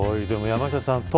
でも、山下さん